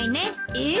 えっ？